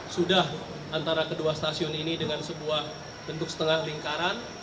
sudah antara kedua stasiun ini dengan sebuah bentuk setengah lingkaran